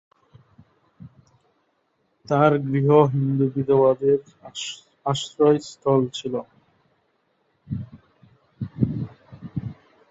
তার গৃহ হিন্দু-বিধবাদের আশ্রয়স্থল ছিল।